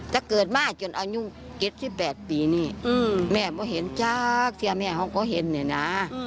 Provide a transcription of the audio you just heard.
ถ้าเกิดมาจนอายุ๗๘ปีนี่แม่ไม่เห็นจ๊ะแม่เขาก็เห็นเนี่ยนะ